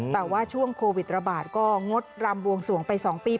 แต่ว่าช่วงโควิดระบาดก็งดรำบวงสวงไป๒ปี